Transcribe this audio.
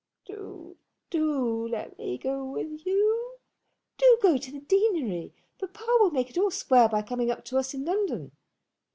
"Do, do let me go with you! Do go to the deanery. Papa will make it all square by coming up to us in London."